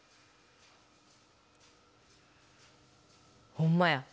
ほんまや。